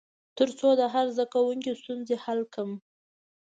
تر څو د هر زده کوونکي ستونزه حل کړم.